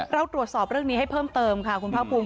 เราตรวจสอบเรื่องนี้ให้เพิ่มเติมค่ะคุณภาคภูมิ